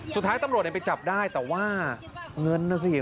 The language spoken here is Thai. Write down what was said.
สุดท้ายตำรวจไปจับได้แต่ว่าเงินน่ะสิ